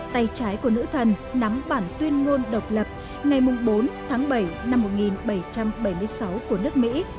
tay trái của nữ thần nắm bản tuyên ngôn độc lập ngày bốn tháng bảy năm một nghìn bảy trăm bảy mươi sáu của nước mỹ